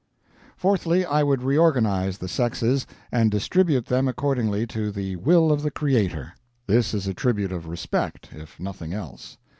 Fourthly, I would reorganizes the sexes, and distribute them accordingly to the will of the creator. This as a tribute of respect, if nothing else.